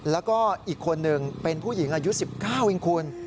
แล้วก็อีกคนหนึ่งเป็นผู้หญิงอายุ๑๙เองคุณ